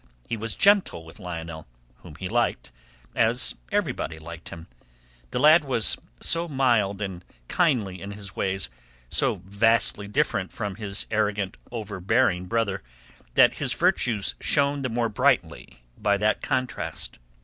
He was gentle with Lionel, whom he liked, as everybody liked him. The lad was so mild and kindly in his ways, so vastly different from his arrogant overbearing brother, that his virtues shone the more brightly by that contrast.